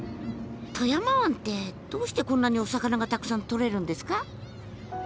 富山湾ってどうしてこんなにお魚がたくさんとれるんですか？